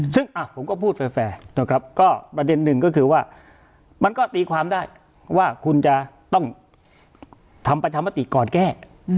ซึ่งผมก็พูดแฟร์นะครับก็ประเด็นหนึ่งก็คือว่ามันก็ตีความได้ว่าคุณจะต้องทำประชามติก่อนแก้